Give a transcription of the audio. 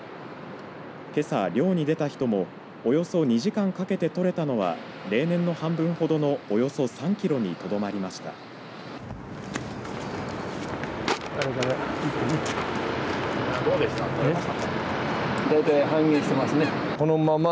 けさ漁に出た人もおよそ２時間かけて取れたのは例年の半分ほどのおよそ３キロにとどまりました。